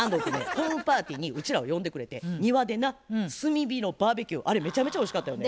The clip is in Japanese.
ホームパーティーにうちらを呼んでくれて庭でな炭火のバーベキューあれめちゃめちゃおいしかったよね。